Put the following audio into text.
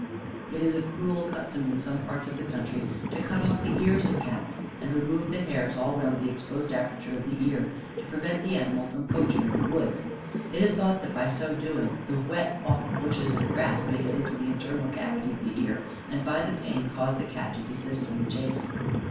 It is a cruel custom in some parts of the country to cut off the ears of Cats and remove the hairs all round the exposed aperture of the ear, to prevent the animal from poaching in the woods. It is thought that by so doing, the wet off the bushes and grass may get into the internal cavity of the ear, and by the pain cause the Cat to desist from the chase.